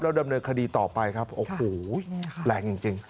ดำเนินคดีต่อไปครับโอ้โหแรงจริง